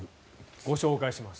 ご紹介します。